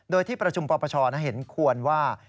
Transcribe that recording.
โดยที่ประชุมปปชเห็นควรว่า